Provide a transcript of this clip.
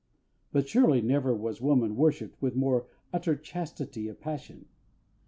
But surely never was woman worshipped with more utter chastity of passion.